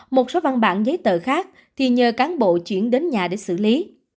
một số văn bản giấy tờ khác thì nhờ cán bộ chuyển đến nhà để xử lý